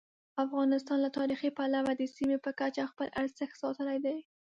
افغانستان له تاریخي پلوه د سیمې په کچه خپل ارزښت ساتلی دی.